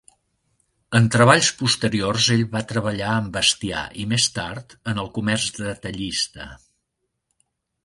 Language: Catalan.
En treballs posteriors ell va treballar amb bestiar i més tard en el comerç detallista.